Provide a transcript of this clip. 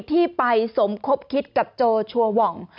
ที่ไปสมคบคิดกับโจชัวร์หว่อง